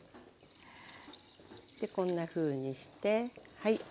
こんなふうにしてはい。